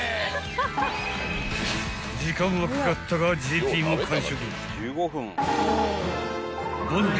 ［時間はかかったがＪＰも完食］